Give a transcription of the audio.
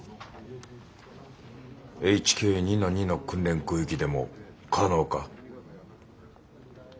ＨＫ２−２の訓練空域でも可能か？